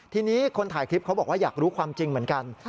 ทีนี้คนถ่ายคลิปเขาบอกว่าอยากรู้ความจริงเหมือนกัน